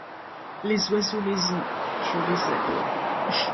Les oiseaux les ont, . je les ai